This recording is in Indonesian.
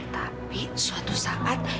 tapi suatu saat